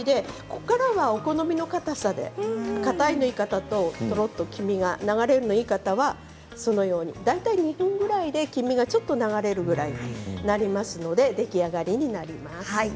ここからはお好みのかたさでかたいのがいい方ととろっと黄身が流れるのがいい方大体２分ぐらいでちょっと黄身が流れるぐらいになりますので出来上がりになります。